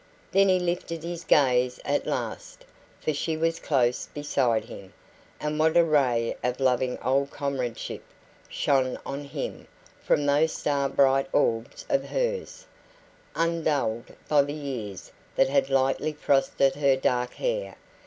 Then he lifted his gaze at last, for she was close beside him. And what a ray of loving old comradeship shone on him from those star bright orbs of hers, undulled by the years that had lightly frosted her dark hair.